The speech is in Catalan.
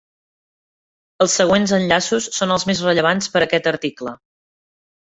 Els següents enllaços són els més rellevants per a aquest article.